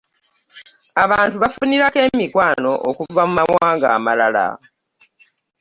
abantu bafunirako emikwani okuva mu mawanga amalala.